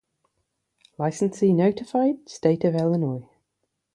Licensee notified State of Illinois.